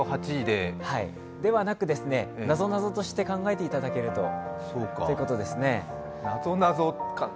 ではなく、なぞなぞとして考えていただけるということですね。